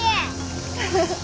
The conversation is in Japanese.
フフフ。